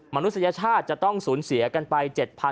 มนุษยชาติจะต้องสูญเสียกันไป๗๐๐